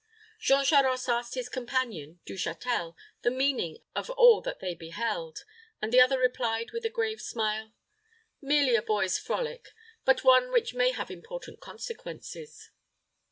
Jean Charost asked his companion, Du Châtel, the meaning of all that they beheld; and the other replied, with a grave smile, "Merely a boy's frolic; but one which may have important consequences."